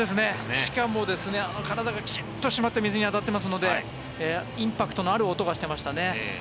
しかも体がしっかり締まって水に当たっていますのでインパクトのある音がしていましたね。